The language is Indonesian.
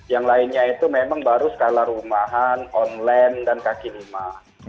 yang lainnya itu memang baru skala rumahan online dan kaki lima